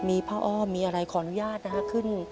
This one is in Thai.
มีพะอ้อมถ้ามีอะไรขออนุญาตนะครับ